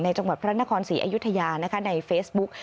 จังหวัดพระนครศรีอยุธยาในเฟซบุ๊ก